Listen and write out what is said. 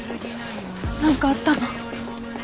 何かあったの？